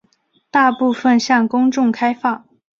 大部分向公众开放。